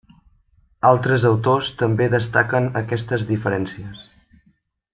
Altres autors també destaquen aquestes diferències.